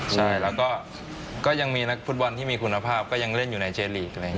ใช่แล้วก็ยังมีนักฟุตบอลที่มีคุณภาพเอาก็ยังเล่นอยู่ในเจรีค